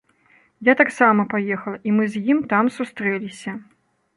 Я таксама паехала, і мы з ім там сустрэліся.